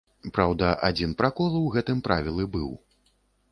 Праўда, адзін пракол у гэтым правілы быў.